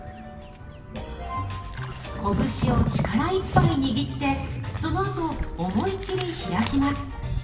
こぶしを力いっぱい握ってそのあと思い切り開きます。